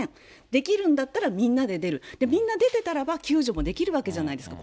できるんだったら、みんなで出る、みんな出てたらば、救助もできるわけじゃないですか。